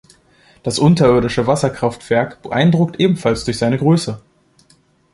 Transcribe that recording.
Das unterirdische Wasserkraftwerk beeindruckt ebenfalls durch seine Größe.